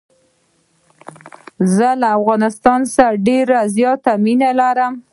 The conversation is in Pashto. زه له افغانستان سره ډېره زیاته مینه لرم.